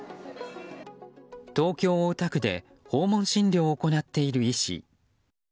東京・大田区で訪問診療を行っている医師。